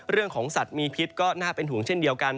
เรื่องของสัตว์มีพิษก็น่าเป็นห่วงเช่นเดียวกัน